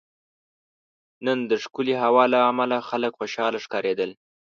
نن دښکلی هوا له عمله خلک خوشحاله ښکاریدل